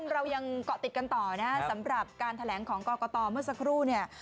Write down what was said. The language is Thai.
เรายังเกาะติดกันต่อนะสำหรับการแถลงของกรกตเมื่อสักครู่เนี่ย